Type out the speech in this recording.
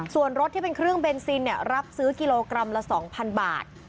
ส่วนรถที่เป็นเครื่องเบนซินรับซื้อกิโลกรัมละ๒๐๐บาท